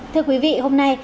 thưa quý vị hôm nay